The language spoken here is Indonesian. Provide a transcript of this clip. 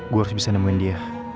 gue harus bisa nemuin dia